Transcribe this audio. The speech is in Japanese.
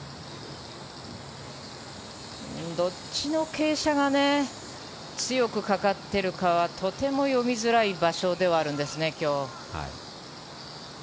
どっちの傾斜が強くかかっているかはとても読みづらい場所ではあるんですね、今日。